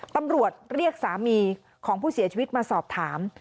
ตำรวจเรียกสามีของผู้เสียชีวิตมาสอบถาม